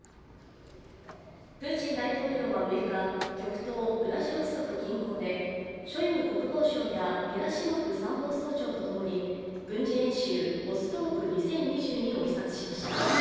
プーチン大統領は６日、極東ウラジオストク近郊でショイグ国防相やゲラシモフ参謀総長とともに、軍事演習ボストーク２０２２を視察しました。